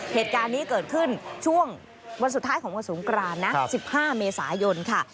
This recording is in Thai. เหตุการณ์นี้เกิดขึ้นช่วงวันสุดท้ายของวันสงกรานนะ๑๕เมษายนค่ะ